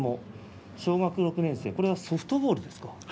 小学６年生これはソフトボールですか。